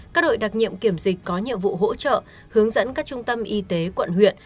các đội đặc nhiệm kiểm dịch có nhiệm vụ hỗ trợ hướng dẫn các trung tâm y tế quận huyện